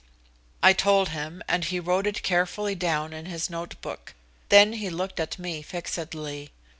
I told him, and he wrote it carefully down in his note book. Then he looked at me fixedly.